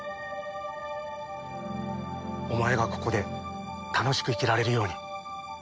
お前がここで楽しく生きられるように。